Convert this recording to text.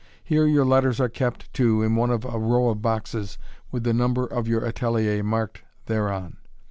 Here your letters are kept, too, in one of a row of boxes, with the number of your atelier marked thereon.